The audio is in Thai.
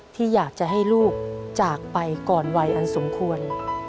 ที่อยากจะให้ลูกจากไปก่อนวัยอันสมควร